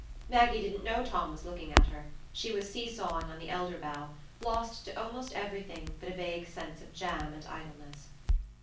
Maggie didn't know Tom was looking at her; she was seesawing on the elder bough, lost to almost everything but a vague sense of jam and idleness.